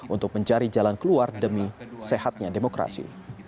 untuk mencari jalan keluar demi sehatnya demokrasi